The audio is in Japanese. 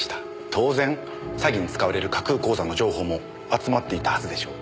当然詐欺に使われる架空口座の情報も集まっていたはずでしょう。